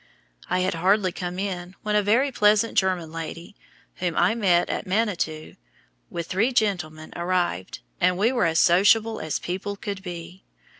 I had hardly come in when a very pleasant German lady, whom I met at Manitou, with three gentlemen, arrived, and we were as sociable as people could be.